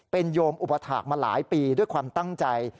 เป็นโยมอุปถาคมาหลายปีด้วยความตั้งใจ